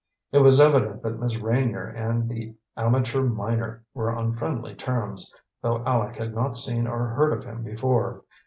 It was evident that Miss Reynier and the amateur miner were on friendly terms, though Aleck had not seen or heard of him before.